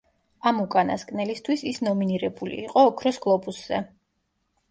ამ უკანასკნელისთვის ის ნომინირებული იყო ოქროს გლობუსზე.